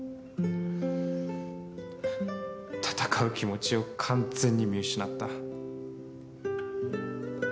戦う気持ちを完全に見失った。